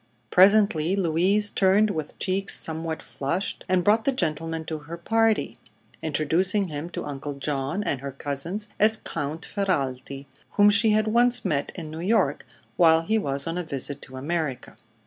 Presently Louise turned with cheeks somewhat flushed and brought the gentleman to her party, introducing him to Uncle John and her cousins as Count Ferralti, whom she had once met in New York while he was on a visit to America.